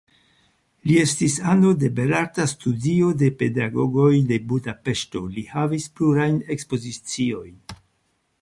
Li estis ano de belarta studio de pedagogoj de Budapeŝto, li havis plurajn ekspoziciojn.